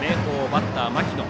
バッターは牧野。